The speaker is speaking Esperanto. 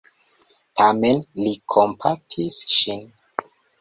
Tamen, li kompatis ŝin.